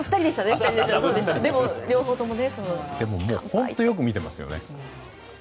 本当によく見ていましたね。